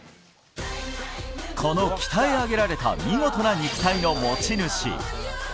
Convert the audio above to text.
この鍛え上げられた見事な肉体の持ち主。